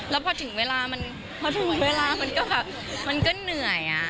แล้วพอถึงเวลามันก็เหนื่อย